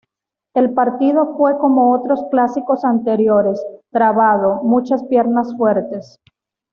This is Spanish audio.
El partido fue como otros clásicos anteriores: trabado, muchas piernas fuertes.